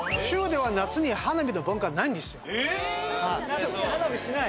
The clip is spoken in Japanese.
夏に花火しない？